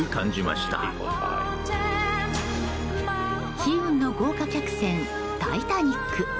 悲運の豪華客船「タイタニック」。